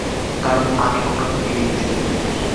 কারণ আমি কোনো ধনী ব্যক্তি নই।